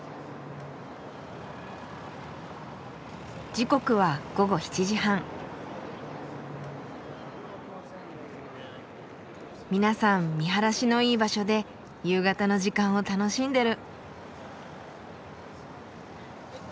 時刻は皆さん見晴らしのいい場所で夕方の時間を楽しんでる。